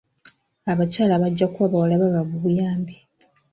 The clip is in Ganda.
Abakyala bajja kuwa bawala baabwe obuyambi.